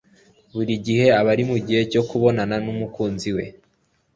Buri gihe aba ari mugihe cyo kubonana nu mukunzi we.